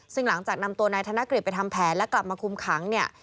ซึ่งหลังจากนำตัวนายธนกฤษไปทำแผนและกลับมาคุมขังเนี่ย